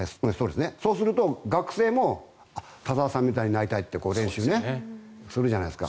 そうすると、学生も田澤さんみたいになりたいって練習するじゃないですか。